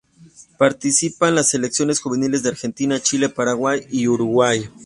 Participaron las selecciones juveniles de Argentina, Chile, Paraguay y Uruguay.